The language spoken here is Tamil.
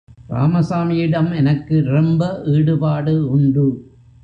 ராமசாமியிடம் எனக்கு ரொம்ப ஈடுபாடு உண்டு.